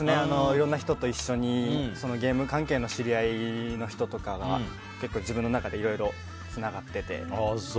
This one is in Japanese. いろんな人と一緒にゲーム関係の知り合いの人とかが結構、自分の中でいろいろつながってて。